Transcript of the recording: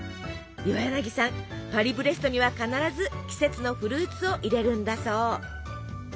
岩柳さんパリブレストには必ず季節のフルーツを入れるんだそう。